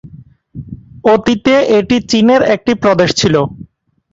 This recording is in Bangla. অতীতে এটি চীনের একটি প্রদেশ ছিল।